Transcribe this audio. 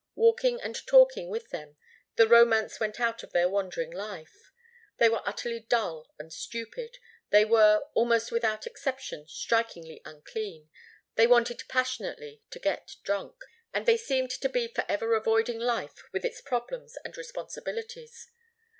Walking and talking with them, the romance went out of their wandering life. They were utterly dull and stupid, they were, almost without exception, strikingly unclean, they wanted passionately to get drunk, and they seemed to be forever avoiding life with its problems and responsibilities.